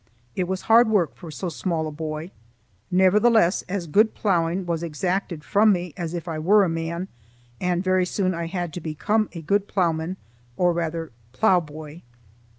It was hard work for so small a boy; nevertheless, as good ploughing was exacted from me as if I were a man, and very soon I had to become a good ploughman, or rather ploughboy.